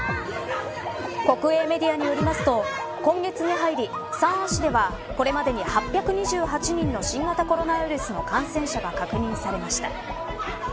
国営メディアによりますと今月に入り、三亜市ではこれまで８２８人の新型コロナウイルスの感染者が確認されました。